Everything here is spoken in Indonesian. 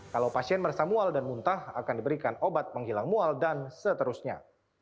kalau pasien merasa mual dan muntah akan diberikan obat menghilang mual dan seterusnya